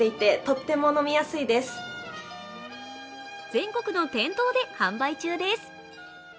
全国の店頭で販売中です。